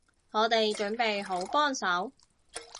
我哋準備好幫手